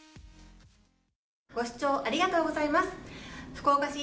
ご視聴ありがとうございます。